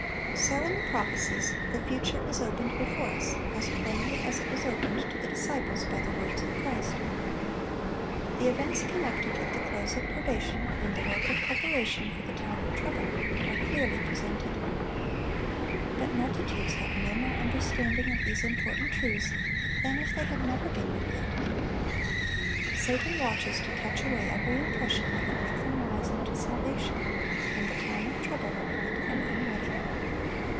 So in the prophecies the future is opened before us as plainly as it was opened to the disciples by the words of Christ. The events connected with the close of probation and the work of preparation for the time of trouble, are clearly presented. But multitudes have no more understanding of these important truths than if they had never been revealed. Satan watches to catch away every impression that would make them wise unto salvation, and the time of trouble will find them unready.